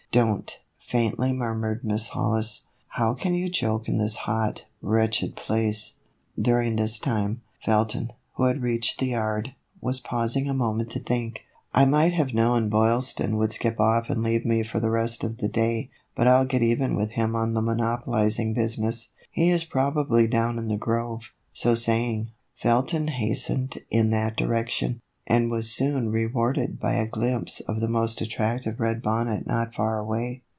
" Don't," faintly murmured Miss Hollis. " How can you joke in this hot, wretched place ?" During this time, Felton, who had reached the yard, was pausing a moment to think. " I might have known Boylston would skip off and leave me for the rest of the day, but I '11 get even with him on the monopolizing business. He is probably down in the grove." So saying, Felton hastened in that direction, and was soon rewarded by a glimpse of the most attractive red bonnet not far away.